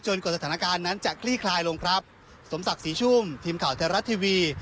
กว่าสถานการณ์นั้นจะคลี่คลายลงครับสมศักดิ์ศรีชุ่มทีมข่าวไทยรัฐทีวี